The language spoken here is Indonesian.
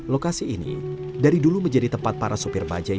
lokasi ini dari dulu menjadi tempat para sopir bajaj